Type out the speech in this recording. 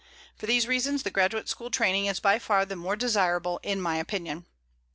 For these reasons, the graduate school training is by far the more desirable, in my opinion.